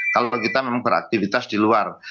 kalau kita memang beraktivitas di luar